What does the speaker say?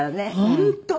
本当。